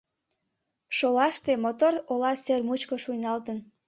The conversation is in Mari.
Шолаште мотор ола сер мучко шуйналтын.